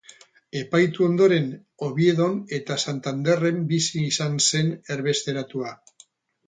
Epaitu ondoren Oviedon eta Santanderren bizi izan zen erbesteratua.